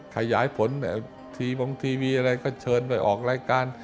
ขยายผลทีบางทีมีอะไรก็เชิญไปออกรายการ